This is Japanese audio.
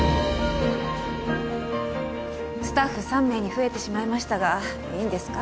スタッフ３名に増えてしまいましたがいいんですか？